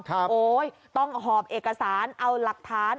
โอ๊ยต้องหอบเอกสารเอาหลักฐาน